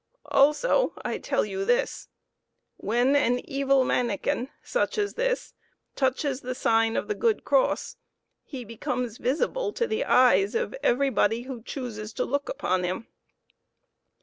Also, I tell you this: when an evil manikin such as this touches the sign of the good cross, he becomes visible to the eyes of every body who chooses to look upon him.